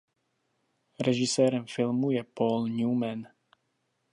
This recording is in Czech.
Režisérem filmu je Paul Newman.